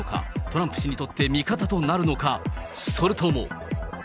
トランプ氏にとって味方となるのか、それとも。